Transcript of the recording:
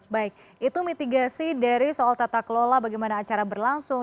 baik itu mitigasi dari soal tata kelola bagaimana acara berlangsung